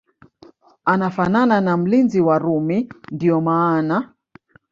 anafanana na mlinzi wa Rumi ndio maana